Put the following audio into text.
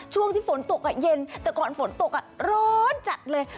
ช่วงที่ฝนตกเย็นแต่ก่อนฝนตกร้อนจัดเลย